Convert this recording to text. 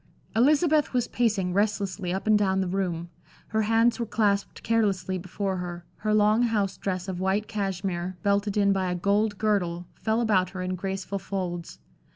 Elizabeth was pacing restlessly up and down the room. Her hands were clasped carelessly before her, her long house dress of white cashmere, belted in by a gold girdle, fell about her in graceful folds.